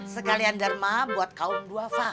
sekalian derma buat kaum duafa